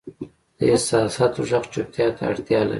د احساساتو ږغ چوپتیا ته اړتیا لري.